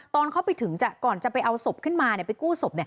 ตอนเข้าไปถึงก่อนจะไปเอาศพขึ้นมาไปกู้ศพ